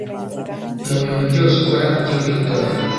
mu bintu byose ukora ujye witonda